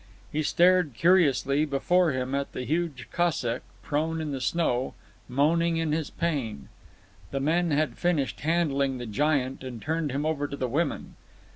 He stared curiously before him at a huge Cossack, prone in the snow, moaning in his pain. The men had finished handling the giant and turned him over to the women.